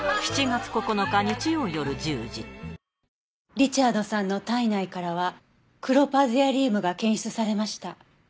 リチャードさんの体内からはクロパゼアリウムが検出されました。